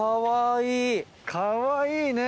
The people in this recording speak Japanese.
かわいいね！